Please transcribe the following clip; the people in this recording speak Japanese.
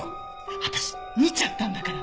私見ちゃったんだから。